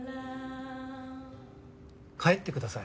帰ってください。